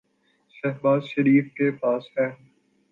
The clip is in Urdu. شہباز شریف کے پاس ہے۔